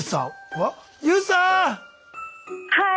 はい！